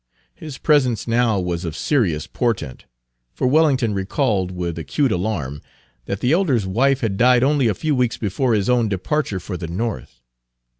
His presence now was of serious portent; for Wellington recalled, with acute alarm, that the elder's wife had died only a few weeks before his own departure for the North.